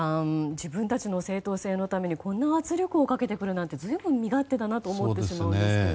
自分たちの正当性のためにこんな圧力をかけてくるなんて随分身勝手だなと思いますが。